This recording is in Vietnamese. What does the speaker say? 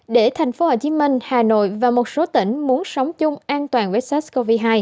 để thành phố hồ chí minh hà nội và một số tỉnh muốn sống chung an toàn với sars cov hai